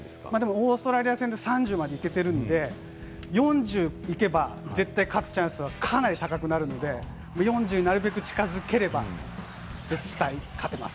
オーストラリア戦で３０％までいけているので、４０いけば絶対勝つチャンスはかなり高くなるので、４０になるべく近づければ絶対勝てます。